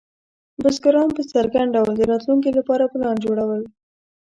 بزګران په څرګند ډول د راتلونکي لپاره پلان جوړول.